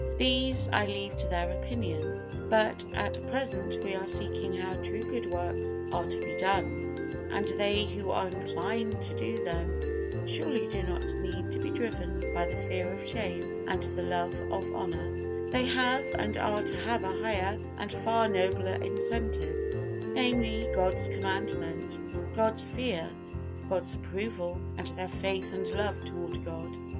These I leave to their opinion. But at present we are seeking how true good works are to be done, and they who are inclined to do them surely do not need to be driven by the fear of shame and the love of honor; they have, and are to have a higher and far nobler incentive, namely, God's commandment, God's fear, God's approval, and their faith and love toward God.